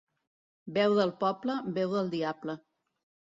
Veu del poble, veu del diable.